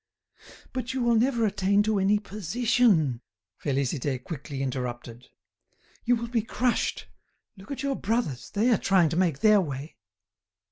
"But you will never attain to any position," Félicité quickly interrupted. "You will be crushed. Look at your brothers, they are trying to make their way."